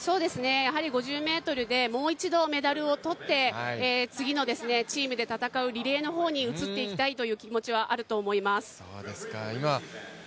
５０ｍでもう一度メダルを取って、次のチームで戦うリレーの方に移っていきたいという気持ちはあると思います。